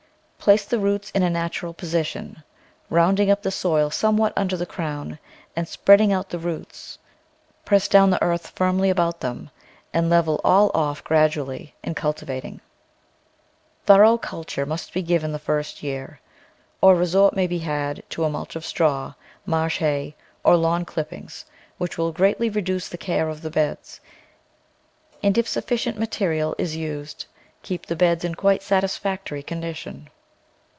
Place the roots in a natural position, rounding up the soil somewhat under the crown and spreading out the roots; press down the earth firmly about them and level all off gradually in cultivating. Thorough culture may be given the first year, or resort may be had to a mulch of straw, marsh hay, or lawn clippings, which will greatly reduce the care of the beds, and if sufficient material is used, keep the beds in quite satisfactory condition.